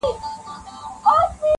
نور ګلاب ورڅخه تللي، دی یوازي غوړېدلی -